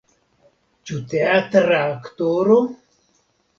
Ĉu teatra aktoro?